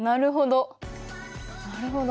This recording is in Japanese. なるほど。